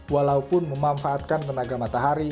walaupun memanfaatkan becak